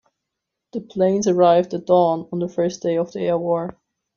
The planes arrived at dawn on the first day of the air war.